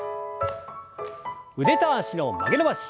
腕と脚の曲げ伸ばし。